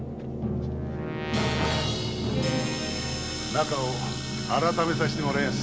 中を改めさせてもらいやす。